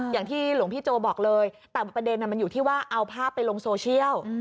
อย่างที่หลวงพี่โจบอกเลยแต่ประเด็นมันอยู่ที่ว่าเอาภาพไปลงโซเชียล